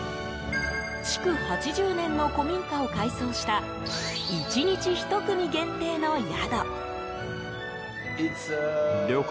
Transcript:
築８０年の古民家を改装した１日１組限定の宿。